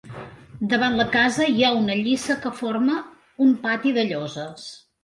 Davant la casa hi ha una lliça que forma un pati de lloses.